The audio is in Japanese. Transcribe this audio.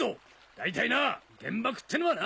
大体な原爆ってのはな